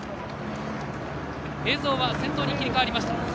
映像は先頭に切り替わりました。